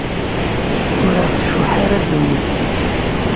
Ur aɣ-tcuḥḥ ara ddunit.